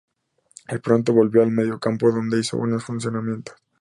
Él pronto volvió al mediocampo, donde hizo buenos funcionamientos.